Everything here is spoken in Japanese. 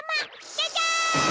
ジャジャン！